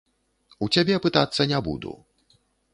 У цябе пытацца не буду.